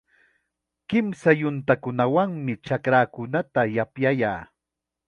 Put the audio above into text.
Kimsa yuntawanmi chakraakunata yapyayaa.